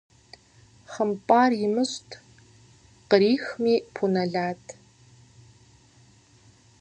ХъымпIар имыщIт, кърахми пу нэлат.